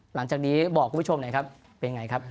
หลังจากนี้บอกคุณผู้ชมหน่อยครับเป็นไงครับ